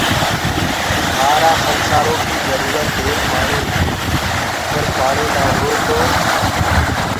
سآرآ سنسآرو ڪي جرورت هي پآڻيٚ اگر پآڻيٚ نآ هرو تو